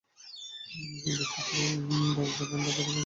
কিন্তু শক্ত দরজা ভেঙে ঘরে ঢুকতে ঢুকতে পেরিয়ে যায় অনেক সময়।